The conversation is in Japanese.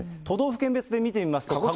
都道府県別で見てみますと。